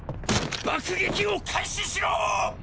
爆撃を開始しろ！！